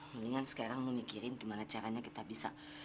mendingan sekarang lo mikirin gimana caranya kita bisa